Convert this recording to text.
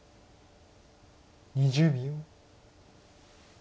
２０秒。